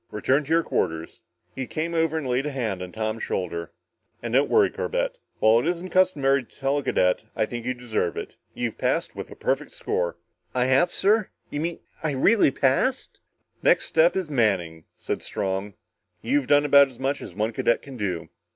Return to your quarters." He came over and laid a hand on Tom's shoulder. "And don't worry, Corbett. While it isn't customary to tell a cadet, I think you deserve it. You've passed with a perfect score!" "I have, sir? You mean I really passed?" "Next step is Manning," said Strong. "You've done as much as one cadet can do."